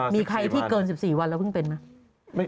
มีใครที่เกิน๑๔วันแล้วเพิ่งเป็นไหม